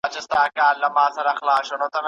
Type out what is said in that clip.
ناسور